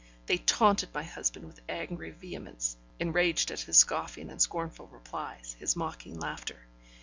They taunted my husband with angry vehemence, enraged at his scoffing and scornful replies, his mocking laughter.